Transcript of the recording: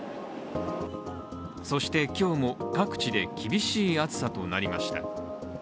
そして今日も各地で厳しい暑さとなりました。